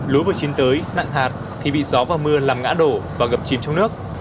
lúa vừa chín tới nặng hạt thì bị gió và mưa làm ngã đổ và ngập chín trong nước